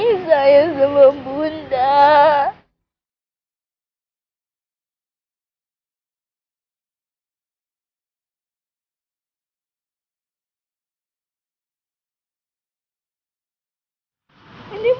orang yang tadi siang dimakamin